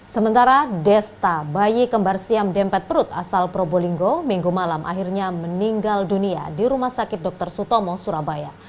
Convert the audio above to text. sementara desta bayi kembar siam dempet perut asal probolinggo minggu malam akhirnya meninggal dunia di rumah sakit dr sutomo surabaya